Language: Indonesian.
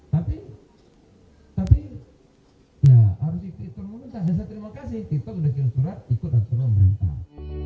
tapi tapi ya arti fitur menangkap saya terima kasih kita sudah kirim surat ikut arti menangkap